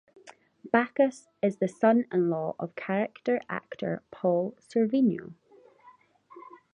Backus is the son-in-law of character actor Paul Sorvino.